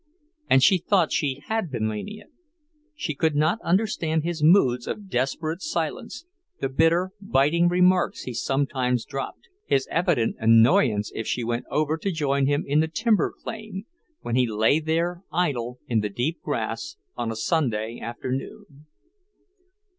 And she thought she had been lenient. She could not understand his moods of desperate silence, the bitter, biting remarks he sometimes dropped, his evident annoyance if she went over to join him in the timber claim when he lay there idle in the deep grass on a Sunday afternoon.